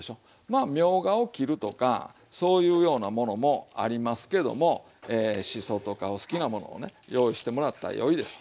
まあみょうがを切るとかそういうようなものもありますけどもしそとかお好きなものをね用意してもらったら良いです。